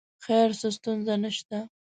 خیر څه ستونزه نه شته.